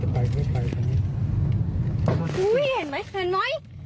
ไปที่นี่